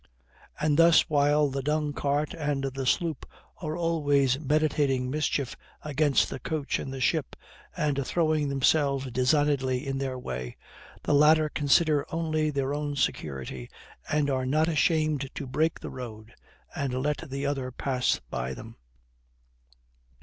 And thus, while the dung cart and the sloop are always meditating mischief against the coach and the ship, and throwing themselves designedly in their way, the latter consider only their own security, and are not ashamed to break the road and let the other pass by them.